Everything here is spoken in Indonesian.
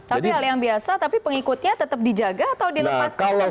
tapi hal yang biasa tapi pengikutnya tetap dijaga atau dilepaskan atau bagaimana nih